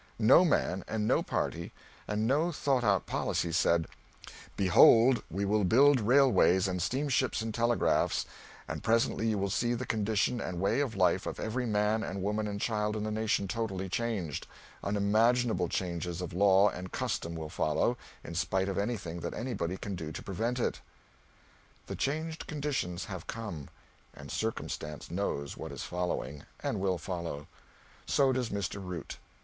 No man, and no party, and no thought out policy said, "Behold, we will build railways and steamships and telegraphs, and presently you will see the condition and way of life of every man and woman and child in the nation totally changed; unimaginable changes of law and custom will follow, in spite of anything that anybody can do to prevent it." The changed conditions have come, and Circumstance knows what is following, and will follow. So does Mr. Root.